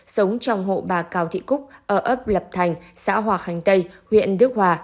sống trong hộ bà cao thị cúc ở ấp lập thành xã hòa khánh tây huyện đức hòa